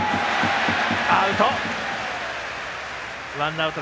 アウト。